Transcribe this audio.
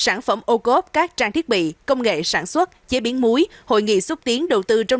sản phẩm ô cốp các trang thiết bị công nghệ sản xuất chế biến muối hội nghị xúc tiến đầu tư trong